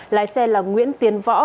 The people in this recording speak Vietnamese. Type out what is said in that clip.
lái xe là nguyễn tiến võ